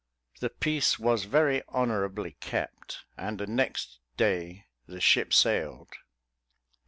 The peace was very honourably kept, and the next day the ship sailed.